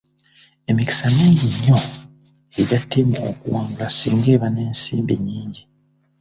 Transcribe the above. Emikisa mingi nnyo egya ttiimu okuwangulai singa eba n'ensimbi nnyingi.